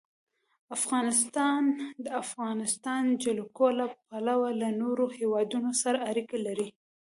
افغانستان د د افغانستان جلکو له پلوه له نورو هېوادونو سره اړیکې لري.